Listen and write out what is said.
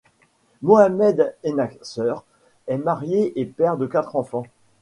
Mohamed Ennaceur est marié et père de quatre enfants.